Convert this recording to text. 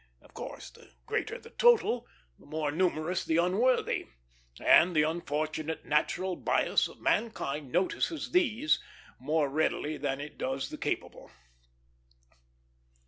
Of course, the greater the total, the more numerous the unworthy; and the unfortunate natural bias of mankind notices these more readily than it does the capable.